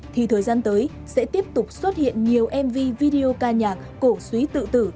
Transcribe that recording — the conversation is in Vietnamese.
thì thời gian tới sẽ tiếp tục xuất hiện nhiều mv video ca nhạc cổ suý tự tử